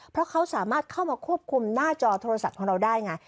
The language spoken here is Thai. เพราะเขาสามารถเข้ามาควบคุมหน้าจอโทรศัพท์ของเราได้ไง